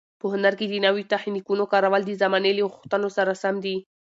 په هنر کې د نویو تخنیکونو کارول د زمانې له غوښتنو سره سم دي.